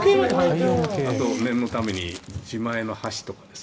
あと念のために自前の箸とか。